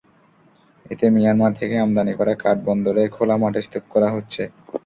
এতে মিয়ানমার থেকে আমদানি করা কাঠ বন্দরে খোলা মাঠে স্তূপ করা হচ্ছে।